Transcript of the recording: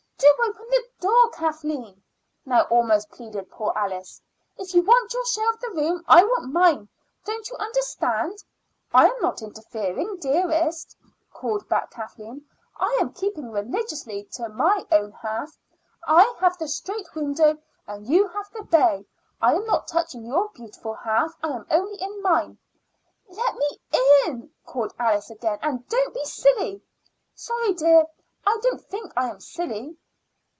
"Do open the door, Kathleen," now almost pleaded poor Alice. "If you want your share of the room, I want mine. Don't you understand?" "I am not interfering, dearest," called back Kathleen, "and I am keeping religiously to my own half. I have the straight window, and you have the bay. I am not touching your beautiful half; I am only in mine." "Let me in," called Alice again, "and don't be silly." "Sorry, dear; don't think I am silly."